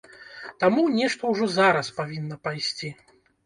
Таму нешта ўжо зараз павінна пайсці.